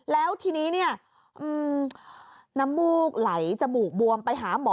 แล้วทีนี้เนี่ยน้ำมูกไหลจมูกบวมไปหาหมอ